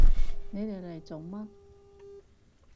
你哋嚟做乜？